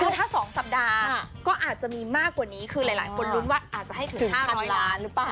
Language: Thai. คือถ้า๒สัปดาห์ก็อาจจะมีมากกว่านี้คือหลายคนลุ้นว่าอาจจะให้ถึง๕๐๐ล้านหรือเปล่า